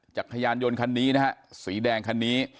จักรยานยนต์คันนี้นะฮะสีแดงคันนี้